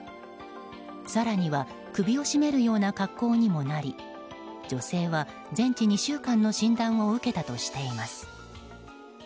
更には首を絞めるような格好にもなり女性は全治２週間の診断を受けたとしています。